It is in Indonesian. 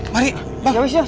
mari ayo cepetan yuk